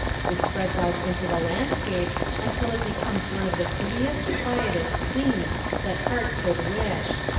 It spreads out into the landscape until it becomes one of the prettiest, quietest scenes that heart could wish.